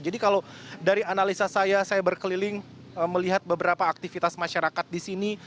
jadi kalau dari analisa saya saya berkeliling melihat beberapa aktivitas masyarakat di sini